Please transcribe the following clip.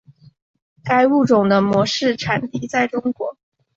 该物种的模式产地在中国。